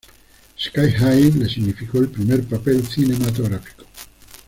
Sky High le significó el primer papel cinematográfico.